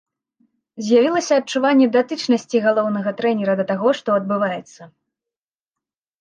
З'явілася адчуванне датычнасці галоўнага трэнера да таго, што адбываецца.